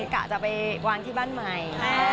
กะจะไปวางที่บ้านใหม่